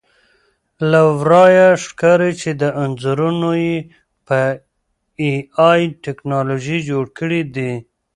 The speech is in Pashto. له ورایه ښکاري چې دا انځورونه یې په اې ائ ټکنالوژي جوړ کړي دي